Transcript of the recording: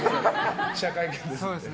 記者会見ですので。